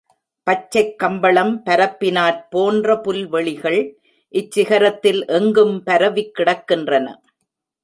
பச்சைக் கம்பளம் பரப்பினாற் போன்ற புல்வெளிகள் இச்சிகரத்தில் எங்கும் பரவிக் கிடக்கின்றன.